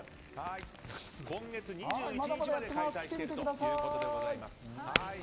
今月２１日まで開催しているということです。